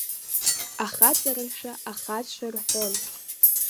Ахаҵарашәа ахацәа ирҳәон…